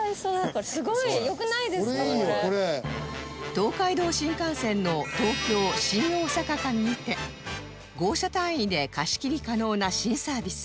東海道新幹線の東京新大阪間にて号車単位で貸し切り可能な新サービス